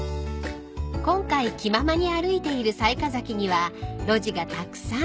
［今回気ままに歩いている雑賀崎には路地がたくさん］